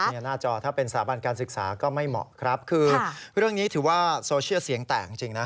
นี่หน้าจอถ้าเป็นสถาบันการศึกษาก็ไม่เหมาะครับคือเรื่องนี้ถือว่าโซเชียลเสียงแตกจริงนะ